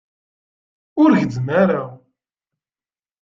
Ur gezzem ara.